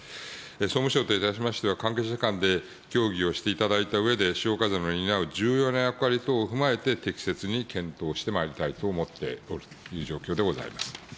総務省といたしましては、関係者間で協議をしていただいたうえで、しおかぜの担う重要な役割等を踏まえて、適切に検討してまいりたいと思っておるという状況でございます。